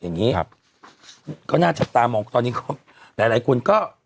อย่างนี้ครับก็น่าจับตามองตอนนี้ก็หลายหลายคนก็